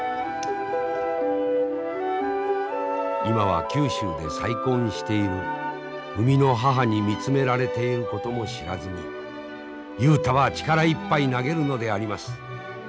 今は九州で再婚している生みの母に見つめられていることも知らずに雄太は力いっぱい投げるのであります。